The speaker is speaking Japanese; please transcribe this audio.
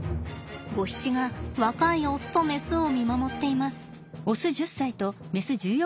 ゴヒチが若いオスとメスを見守っています。